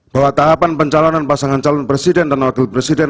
bahwa tahapan pencalonan pasangan calon presiden dan wakil presiden